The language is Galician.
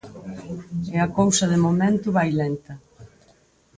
E a cousa de momento vai lenta.